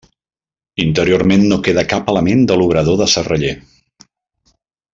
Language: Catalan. Interiorment no queda cap element de l'obrador de serraller.